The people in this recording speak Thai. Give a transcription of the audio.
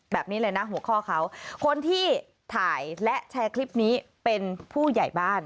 แบบนี้เลยนะหัวข้อเขาคนที่ถ่ายและแชร์คลิปนี้เป็นผู้ใหญ่บ้าน